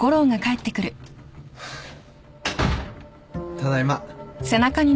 ただいま。